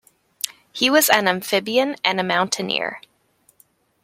He was an amphibian and a mountaineer.